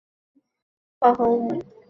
联苯是两个苯基相连形成的化合物。